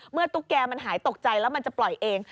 ตุ๊กแกมันหายตกใจแล้วมันจะปล่อยเอง